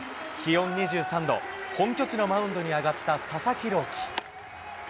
気温２３度、本拠地のマウンドに上がった佐々木朗希。